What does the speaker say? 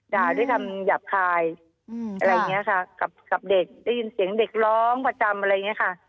ด่าด้วยคำหยาบคายอะไรอย่างนี้ค่ะกับเด็กได้ยินเสียงเด็กร้องประจำอะไรอย่างนี้ค่ะ